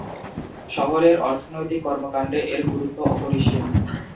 শহরের অর্থনৈতিক কর্মকাণ্ডে এর গুরুত্ব অপরিসীম।